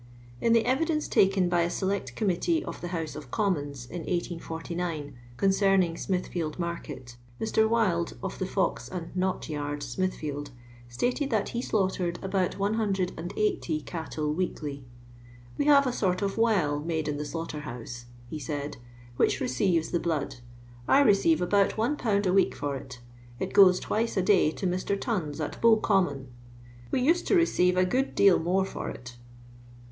In the evidence taken by a Select Committee of the House of Commons in 1849, concerning Smithfield market, Mr. Wyld, of the Fox and Knot yard, Smithfidd, stated that he slaughtered about 180 cattle weekly. " We have a sort of well made in the slaughterhouse," he said, " whidi receives the blood. I receive abont 1^. a wedc for it ; it goes twice a day to Mr. Ton's, at Bov Common. We used to receive a good deal more for it."